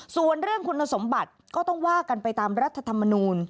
ส่วนเรื่องคุณสมบัติก็ต้องว่ากันไปตามรัฐธรรมนูล